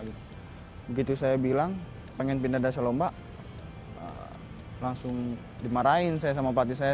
begitu saya bilang pengen pindah dasar lomba langsung dimarahin saya sama pelatih saya